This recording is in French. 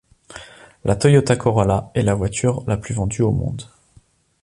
La Toyota Corolla est la voiture la plus vendue au monde.